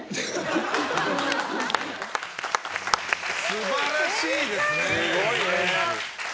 素晴らしいですね。